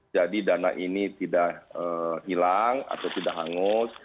jadi dana ini tidak hilang atau tidak hangus